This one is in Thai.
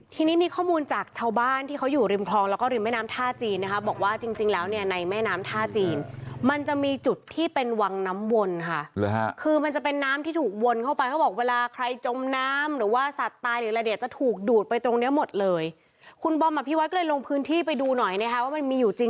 ทีนี้มีข้อมูลจากชาวบ้านที่เขาอยู่ริมคลองแล้วก็ริมแม่น้ำท่าจีนนะคะบอกว่าจริงจริงแล้วเนี่ยในแม่น้ำท่าจีนมันจะมีจุดที่เป็นวังน้ำวนค่ะคือมันจะเป็นน้ำที่ถูกวนเข้าไปเขาบอกเวลาใครจมน้ำหรือว่าสัตว์ตายหรืออะไรเนี่ยจะถูกดูดไปตรงเนี้ยหมดเลยคุณบอมอภิวัตรก็เลยลงพื้นที่ไปดูหน่อยนะคะว่ามันมีอยู่จริง